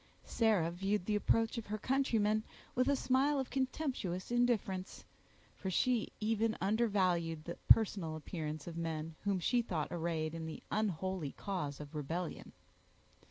Sarah viewed the approach of her countrymen with a smile of contemptuous indifference; for she even undervalued the personal appearance of men whom she thought arrayed in the unholy cause of rebellion.